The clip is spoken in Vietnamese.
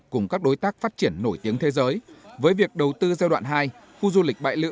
cùng các đối tác phát triển nổi tiếng thế giới với việc đầu tư giai đoạn hai khu du lịch bãi lữ